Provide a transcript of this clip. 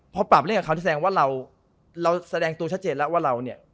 พอปรับเล่นกับเขาที่แสดงว่าเราแสดงตัวชัดเจนแล้วว่าเราเนี่ย